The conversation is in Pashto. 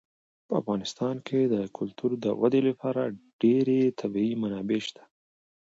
په افغانستان کې د کلتور د ودې لپاره ډېرې طبیعي منابع شته دي.